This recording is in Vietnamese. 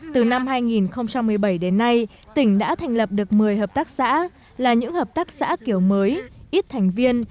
từ năm hai nghìn một mươi bảy đến nay tỉnh đã thành lập được một mươi hợp tác xã là những hợp tác xã kiểu mới ít thành viên